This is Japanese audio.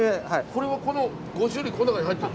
これはこの５種類この中に入ってるんですか？